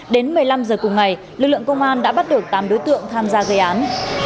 đến một mươi năm giờ cùng ngày lực lượng công an đã bắt được tám đối tượng tham gia gây án